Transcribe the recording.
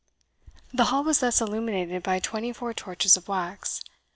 The Hall was thus illuminated by twenty four torches of wax.